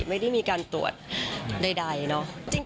ไม่ได้มีการตรวจใดเนาะ